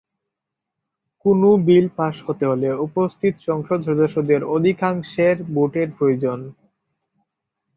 কোনো bill pass হতে হলে উপস্থিত সংসদ-সদস্যদের অধিকাংশের ভোটের প্রয়োজন।